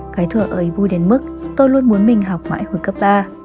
cái thuở ấy vui đến mức tôi luôn muốn mình học mãi hồi cấp ba